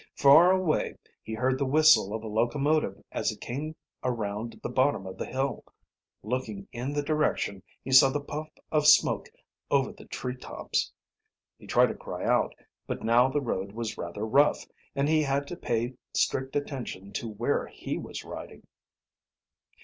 Far away he heard the whistle of a locomotive as it came around the bottom of the hill. Looking in the direction, he saw the puff of smoke over the treetops. He tried to cry out, but now the road was rather rough, and he had to pay strict attention 'to where he was riding.